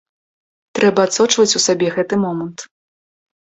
Трэба адсочваць у сабе гэты момант.